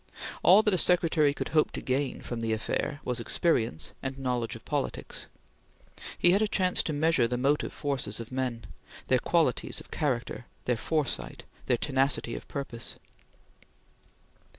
All that a secretary could hope to gain from the affair was experience and knowledge of politics. He had a chance to measure the motive forces of men; their qualities of character; their foresight; their tenacity of purpose.